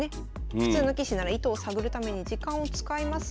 普通の棋士なら意図を探るために時間を使いますが。